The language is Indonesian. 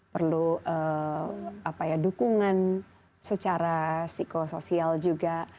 perlu apa ya dukungan secara psikosoial juga